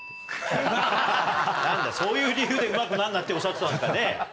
そういう理由でうまくなんなっておっしゃってたんですかね？